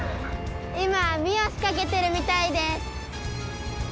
今あみをしかけてるみたいです。